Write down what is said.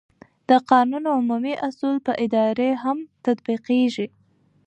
د قانون عمومي اصول پر ادارې هم تطبیقېږي.